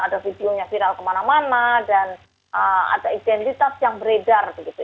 ada videonya viral kemana mana dan ada identitas yang beredar begitu